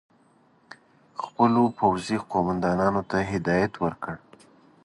خپلو پوځي قوماندانانو ته هدایت ورکړ.